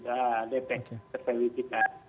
deteksi pertengahan kita